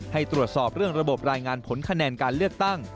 ให้ตรวจสอบเรื่องระบบรายงานผลคะแนนการเลือกตั้ง